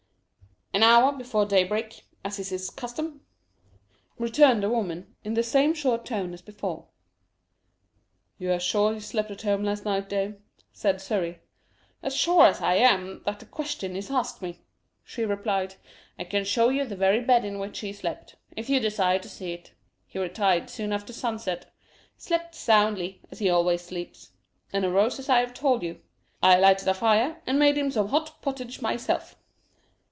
"An hour before daybreak, as is his custom," returned the woman, in the same short tone as before. "You are sure he slept at home last night, dame?" said Surrey. "As sure as I am that the question is asked me," she replied. "I can show you the very bed on which he slept, if you desire to see it. He retired soon after sunset slept soundly, as he always sleeps and arose as I have told you. I lighted a fire, and made him some hot pottage myself."